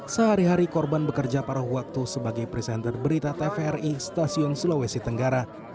sehari hari korban bekerja paruh waktu sebagai presenter berita tvri stasiun sulawesi tenggara